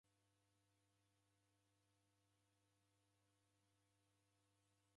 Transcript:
Kukaida mtihani kwanekwa satfiketi.